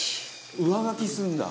上書きするんだ」